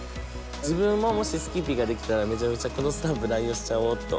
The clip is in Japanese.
自分ももし好きピができたらめちゃめちゃこのスタンプ乱用しちゃおうっと。